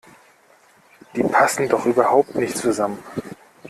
Die passen doch überhaupt nicht zusammen!